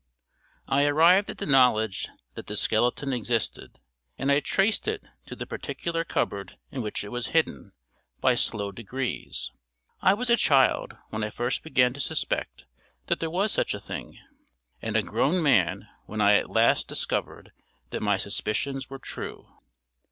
I arrived at the knowledge that this skeleton existed, and I traced it to the particular cupboard in which it was hidden, by slow degrees. I was a child when I first began to suspect that there was such a thing, and a grown man when I at last discovered that my suspicions were true.